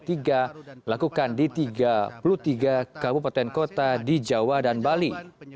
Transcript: dilakukan di tiga puluh tiga kabupaten kota di jawa dan bali